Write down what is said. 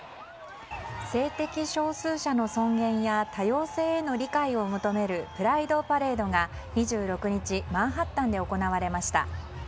性的少数者の尊厳や多様性への理解を求めるプライド・パレードが２６日マンハッタンで行われました。